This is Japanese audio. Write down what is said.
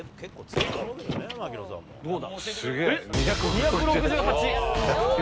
２６８！